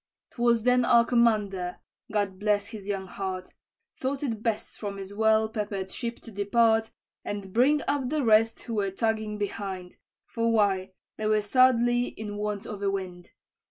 "'Twas then our commander God bless his young heart Thought it best from his well peppered ship to depart, And bring up the rest who were tugging behind For why they were sadly in want of a wind.